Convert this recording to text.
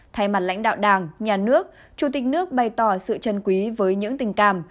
thay mặt lãnh đạo đảng nhà nước chủ tịch nước bày tỏ sự trân quý với những tình cảm